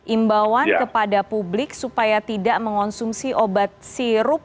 imbauan kepada publik supaya tidak mengonsumsi obat sirup